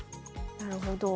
なるほど。